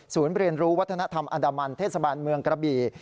ศูนย์เรียนรู้วัฒนธรรมอัฐมนตร์เทศบาลเมืองกระบี